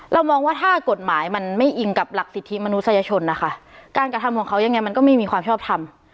เรามองว่าถ้ากฎหมายมันไม่อิงกับหลักสิทธิมนุษยชนนะคะการกระทำของเขายังไงมันก็ไม่มีความชอบทำ